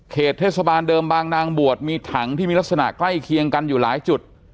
เทศบาลเดิมบางนางบวชมีถังที่มีลักษณะใกล้เคียงกันอยู่หลายจุด